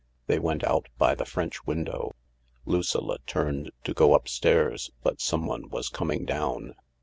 They went out by the French window. Lucilla turned to go upstairs, but someone was coming down.